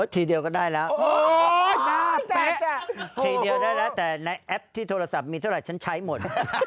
ทีเดียวก็ได้แล้วทีเดียวได้แล้วแต่ในแอปที่โทรศัพท์มีเท่าไหร่ฉันใช้หมด